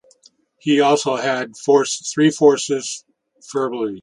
He also had three forced fumbles.